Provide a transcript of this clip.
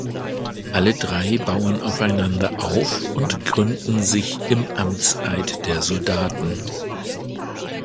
Alle drei bauen aufeinander auf und gründen sich im Amtseid der Soldaten.